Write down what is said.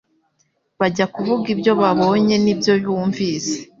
bajya kuvuga ibyo babonye n'ibyo bumvise.